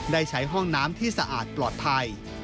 ได้ใช้ห้องน้ำที่สะอาดปลอดภัย